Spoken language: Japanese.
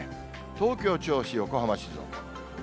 東京、銚子、横浜、静岡。